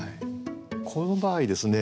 この場合ですね